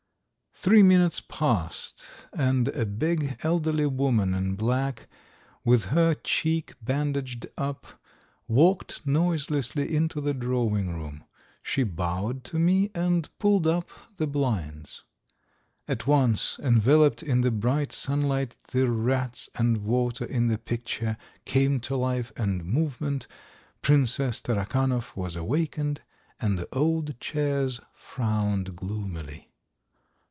Three minutes passed and a big, elderly woman in black, with her cheek bandaged up, walked noiselessly into the drawing room. She bowed to me and pulled up the blinds. At once, enveloped in the bright sunlight, the rats and water in the picture came to life and movement, Princess Tarakanov was awakened, and the old chairs frowned gloomily.